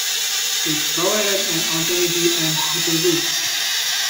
It provided an alternative and cheaper route.